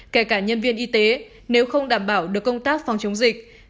kể cả nhân viên y tế nếu không đảm bảo được công tác phòng chống dịch